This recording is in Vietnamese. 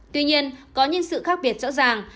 tuy nhiên có những sự khác biệt rõ ràng